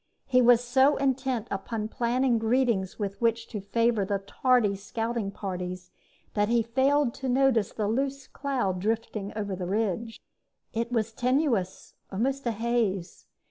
He was so intent upon planning greetings with which to favor the tardy scouting parties that he failed to notice the loose cloud drifting over the ridge. It was tenuous, almost a haze.